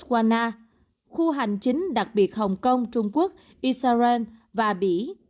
trong thời gian này cũng có nhiều khu hành chính đặc biệt hồng kông trung quốc israel và bỉ